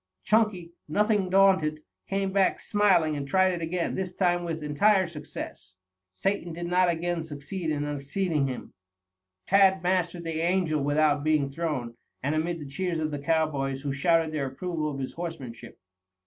Chunky, nothing daunted, came back smiling and tried it again, this time with entire success. Satan did not again succeed in unseating him. Tad mastered the Angel without being thrown, and amid the cheers of the cowboys, who shouted their approval of his horsemanship.